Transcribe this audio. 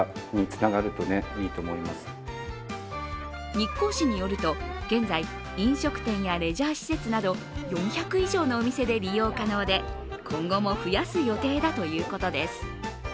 日光市によると、現在、飲食店やレジャー施設など４００以上のお店で利用可能で今後も増やす予定だということです。